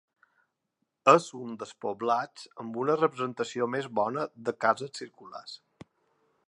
És un dels poblats amb una representació més bona de cases circulars.